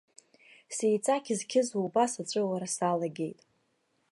Сеиҵакьызқьызуа убас аҵәыуара салагеит.